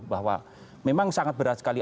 bahwa memang sangat berat sekali